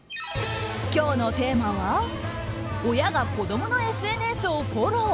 今日のテーマは親が子供のＳＮＳをフォロー。